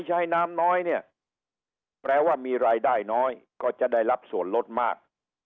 ใช้น้ำน้อยเนี่ยแปลว่ามีรายได้น้อยก็จะได้รับส่วนลดมาก